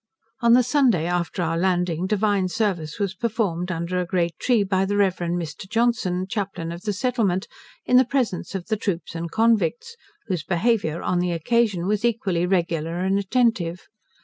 On the Sunday after our landing divine service was performed under a great tree, by the Rev. Mr. Johnson, Chaplain of the Settlement, in the presence of the troops and convicts, whose behaviour on the occasion was equally regular and attentive.